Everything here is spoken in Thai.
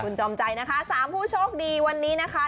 คุณจอมใจนะคะ๓ผู้โชคดีวันนี้นะคะ